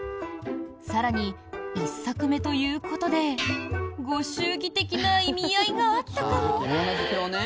更に、１作目ということでご祝儀的な意味合いがあったかも？